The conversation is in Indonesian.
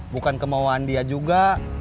bukan kemauan dia juga